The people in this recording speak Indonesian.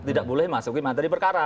tidak boleh masuk ke materi perkara